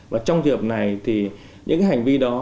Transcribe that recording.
và trong việc này thì những cái hành vi đó